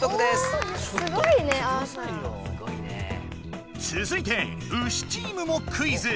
つづいてウシチームもクイズ。